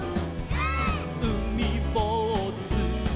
「うみぼうず」「」